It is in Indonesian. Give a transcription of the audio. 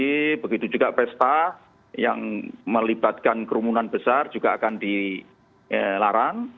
jadi begitu juga pesta yang melibatkan kerumunan besar juga akan dilarang